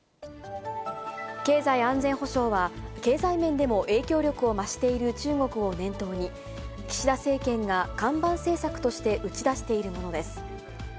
経済安全保障は、経済面でも影響力を増している中国を念頭に、岸田政権が看板政策として打ち出しているものです。